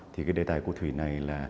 thì cái đề tài của thủy này là